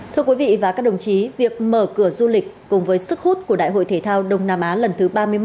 thưa quý vị và các đồng chí việc mở cửa du lịch cùng với sức hút của đại hội thể thao đông nam á lần thứ ba mươi một